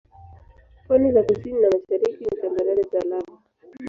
Pwani za kusini na mashariki ni tambarare za lava.